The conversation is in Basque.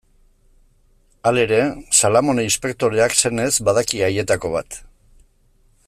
Halere, Salamone inspektoreak, senez, badaki haietako bat.